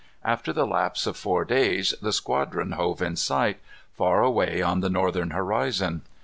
After the lapse of four days the squadron hove in sight, far away on the northern horizon.